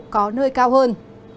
có nơi cao hơn